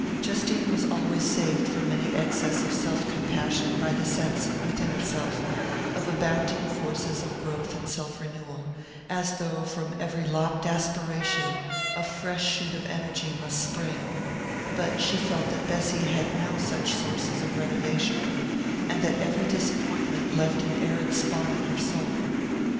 Justine was always saved from any excess of self compassion by the sense, within herself, of abounding forces of growth and self renewal, as though from every lopped aspiration a fresh shoot of energy must spring; but she felt that Bessy had no such sources of renovation, and that every disappointment left an arid spot in her soul.